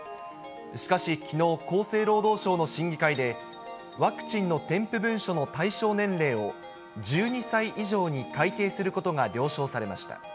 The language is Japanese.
しかしきのう、厚生労働省の審議会で、ワクチンの添付文書の対象年齢を１２歳以上に改訂することが了承されました。